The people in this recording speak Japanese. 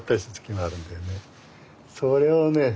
それをね